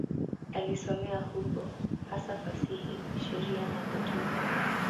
Alisomea huko, hasa fasihi, sheria na hotuba.